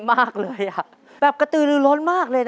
ตัวเลือกที่สอง๘คน